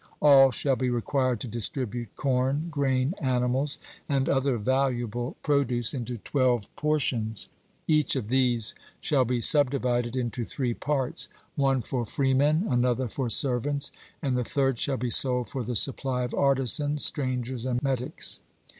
All shall be required to distribute corn, grain, animals, and other valuable produce, into twelve portions. Each of these shall be subdivided into three parts one for freemen, another for servants, and the third shall be sold for the supply of artisans, strangers, and metics.